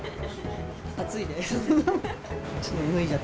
暑いです。